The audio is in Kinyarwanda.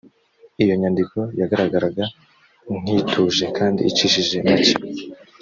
iyo nyandiko yagaragaraga nk ituje kandi icishije make